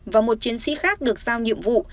và một chiến sĩ khác được giao nhiệm vụ